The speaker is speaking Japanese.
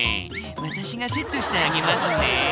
私がセットしてあげますね」